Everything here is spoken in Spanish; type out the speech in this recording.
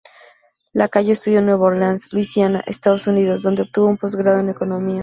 Lacayo estudió en Nueva Orleans, Louisiana, Estados Unidos, donde obtuvo un postgrado en Economía.